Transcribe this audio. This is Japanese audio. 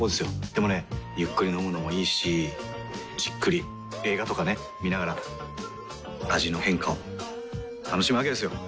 でもねゆっくり飲むのもいいしじっくり映画とかね観ながら味の変化を楽しむわけですよ。